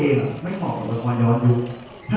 มีเรื่องมากคุณคิดว่าคุณจะรับไหมครับ